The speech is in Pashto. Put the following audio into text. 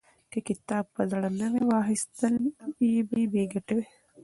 که کتاب په زړه نه وي، واخستل یې بې ګټې دی.